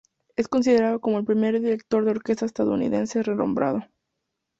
Es considerado como el primer director de orquesta estadounidense renombrado.